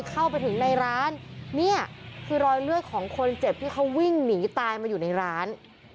เข้าไปถึงในร้านเนี่ยคือรอยเลือดของคนเจ็บที่เขาวิ่งหนีตายมาอยู่ในร้าน